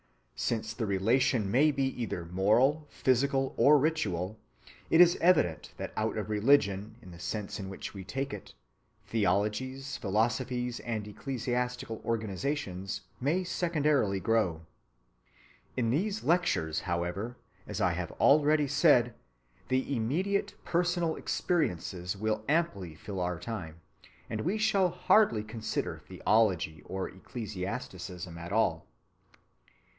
Since the relation may be either moral, physical, or ritual, it is evident that out of religion in the sense in which we take it, theologies, philosophies, and ecclesiastical organizations may secondarily grow. In these lectures, however, as I have already said, the immediate personal experiences will amply fill our time, and we shall hardly consider theology or ecclesiasticism at all.